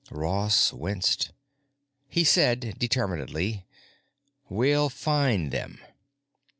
Ross winced. He said determinedly, "We'll find them."